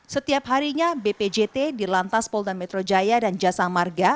setiap harinya bpjt di lantas polda metro jaya dan jasa marga